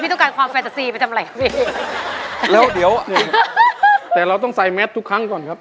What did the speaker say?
ต้องการความแฟนเตอร์ซีไปทำอะไรครับพี่แล้วเดี๋ยวแต่เราต้องใส่แมสทุกครั้งก่อนครับ